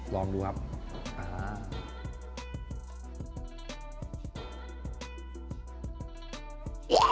ลองดูครับ